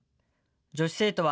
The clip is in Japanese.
女子生徒は、